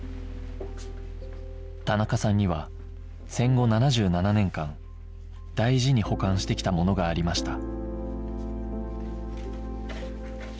田中さんには戦後７７年間大事に保管してきたものがありました